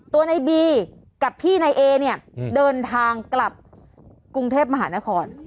ตัวในบีกับพี่นายเอเนี่ยเดินทางกลับกรุงเทพมหานคร